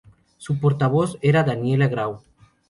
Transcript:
Su portavoz era Daniela Grau.